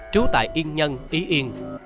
trú tại yên nhân ý yên